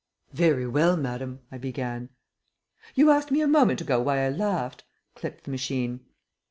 "Very well, madame " I began. "You asked me a moment ago why I laughed," clicked the machine.